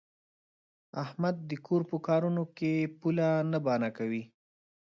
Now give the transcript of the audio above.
احمد د کور په کارونو کې پوله نه بانه کوي.